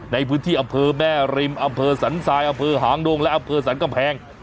ในพื้นที่อำเภอแม่ริมอำเภอสันทรายอำเภอหางดงและอำเภอสรรกำแพง